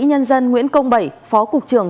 nhân dân nguyễn công bảy phó cục trưởng